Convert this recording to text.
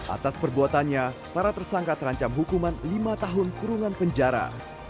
atas perbuatannya para tersangka terancam hukuman lima tahun kurungan penjara